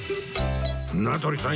名取さん